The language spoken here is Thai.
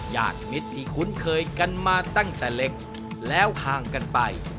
ญาติมิตรที่คุ้นเคยกันมาตั้งแต่เล็กแล้วห่างกันไป